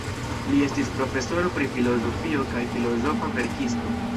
Li estis profesoro pri filozofio kaj filozofa verkisto.